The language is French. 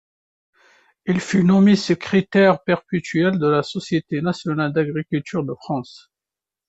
Il fut nommé secrétaire perpétuel de la Société nationale d’agriculture de France.